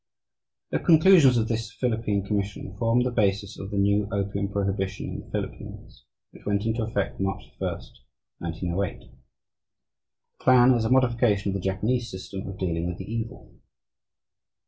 The conclusions of this Philippine Commission formed the basis of the new opium prohibition in the Philippines, which went into effect March 1, 1908. The plan is a modification of the Japanese system of dealing with the evil.